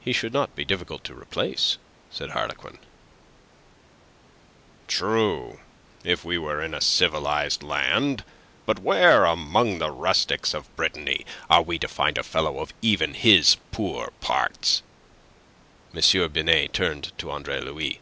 "He should not be difficult to replace," said Harlequin. "True, if we were in a civilized land. But where among the rustics of Brittany are we to find a fellow of even his poor parts?" M. Binet turned to Andre Louis.